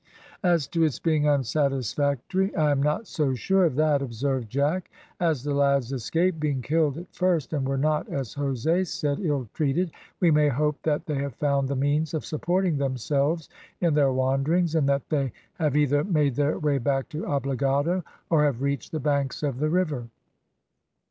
"As to its being unsatisfactory, I am not so sure of that," observed Jack. "As the lads escaped being killed at first, and were not, as Jose said, ill treated, we may hope that they have found the means of supporting themselves in their wanderings, and that they have either made their way back to Obligado, or have reached the banks of the river.